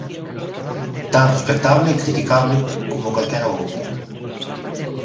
Tan respectable e criticable como calquera outra.